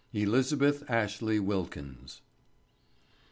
ELIZABETH ASHLEY WILKINS.